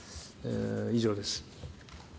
以上です。